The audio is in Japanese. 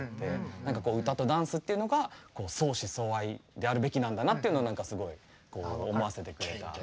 何か歌とダンスっていうのが相思相愛であるべきなんだなっていうのをすごい思わせてくれた。